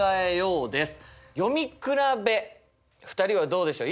読み比べ２人はどうでしょう。